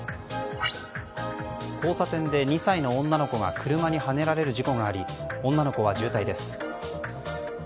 交差点で２歳の女の子が車にはねられる事故があり女の子は重体です。